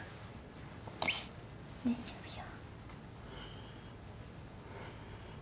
大丈夫よ。